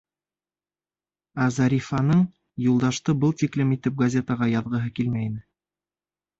Ә Зарифаның Юлдашты был тиклем итеп газетаға яҙғыһы килмәй ине.